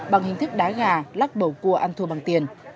bằng hình thức đá gà lắc bầu cua ăn thua bằng tiền